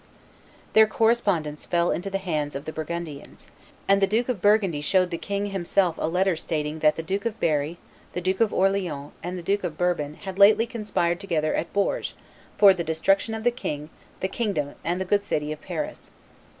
Their correspondence fell into the hands of the Burgundians, and the Duke of Burgundy showed the king himself a letter stating that "the Duke of Berry, the Duke of Orleans, and the Duke of Bourbon had lately conspired together at Bourges for the destruction of the king, the kingdom, and the good city of Paris."